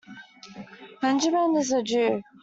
Benjamin is a Jew.